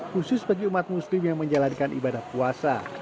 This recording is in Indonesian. khusus bagi umat muslim yang menjalankan ibadah puasa